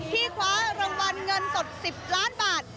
คว้ารางวัลเงินสด๑๐ล้านบาท